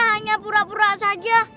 hanya pura pura saja